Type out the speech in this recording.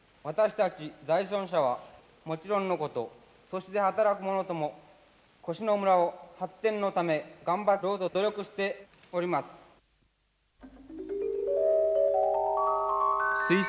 私たち在村者はもちろんのこと都市で働く者とも越廼村を発展のため頑張ろうと努力しております。